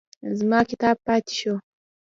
زما کتاب پاتې شو.